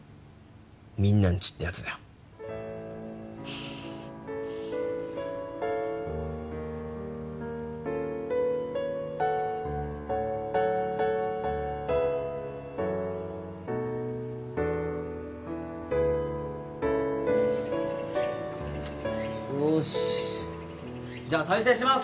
みんなんちってやつだよよしじゃあ再生します